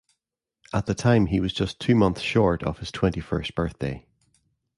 At the time he was just two months short of his twenty-first birthday.